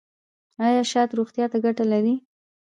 ایا شات روغتیا ته ګټه لري؟